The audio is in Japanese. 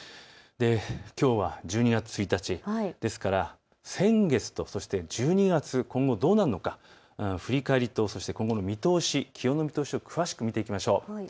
きょうは１２月１日ですから先月と１２月、今後どうなるのか振り返りと気温の見通しを詳しく見ていきましょう。